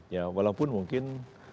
ya walaupun mungkin